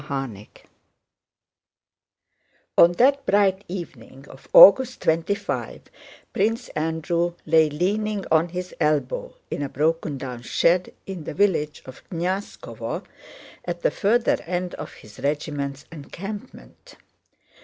CHAPTER XXIV On that bright evening of August 25, Prince Andrew lay leaning on his elbow in a broken down shed in the village of Knyazkóvo at the further end of his regiment's encampment.